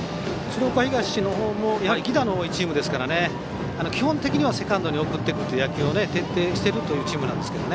鶴岡東の方も犠打の多いチームですから基本的にはセカンドに送ってくる野球を徹底しているチームなんですけど。